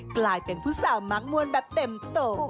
กลายเป็นผู้สาวมักมวลแบบเต็มโต